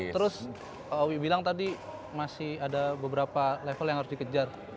terus owi bilang tadi masih ada beberapa level yang harus dikejar